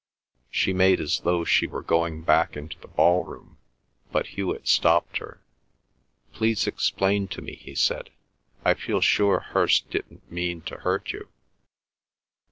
She made as though she were going back into the ballroom, but Hewet stopped her. "Please explain to me," he said. "I feel sure Hirst didn't mean to hurt you."